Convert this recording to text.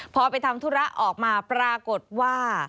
พอไปทำธุระออกมาปรากฏว่า